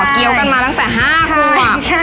อ๋อเกียวกันมาตั้งแต่๕ควบ